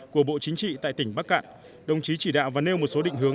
của bộ chính trị tại tỉnh bắc cạn đồng chí chỉ đạo và nêu một số định hướng